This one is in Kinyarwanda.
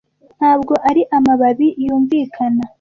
ntabwo ari amababi yumvikana